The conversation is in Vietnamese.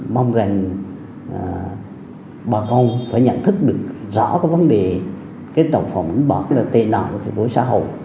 mong rằng bà công phải nhận thức rõ vấn đề tàu phòng đánh bạc là tệ nạn của xã hội